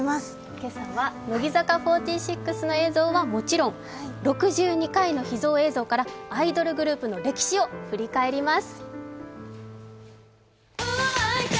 今朝は乃木坂４６の映像はもちろん６２回の秘蔵映像からアイドルグループの歴史を振り返ります。